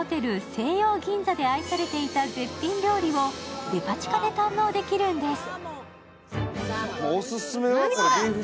西洋銀座で愛されていた絶品料理をデパ地下で堪能できるんです。